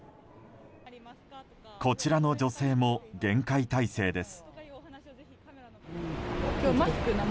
こちらの女性も厳戒態勢です。